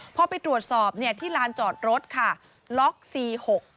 พอไปตรวจสอบเนี่ยที่ลานจอดรถค่ะล็อกสี่หก